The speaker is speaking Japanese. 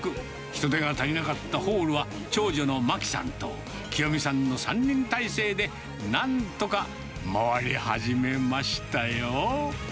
人手が足りなかったホールは、長女のまきさんと、きよみさんの３人態勢で、なんとか回り始めましたよ。